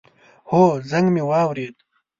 هو، زنګ می واورېد